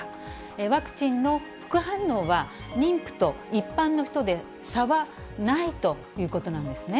ワクチンの副反応は、妊婦と一般の人で差はないということなんですね。